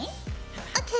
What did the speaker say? ＯＫ。